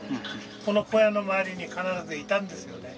この小屋の周りに必ずいたんですよね。